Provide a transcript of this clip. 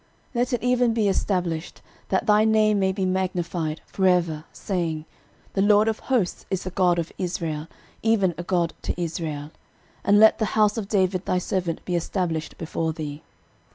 13:017:024 Let it even be established, that thy name may be magnified for ever, saying, The LORD of hosts is the God of Israel, even a God to Israel: and let the house of David thy servant be established before thee.